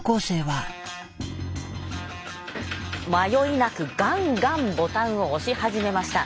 迷いなくガンガンボタンを押し始めました。